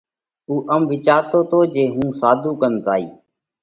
اُو ام وِيچارتو تو جي هُون ساڌُو ڪنَ زائه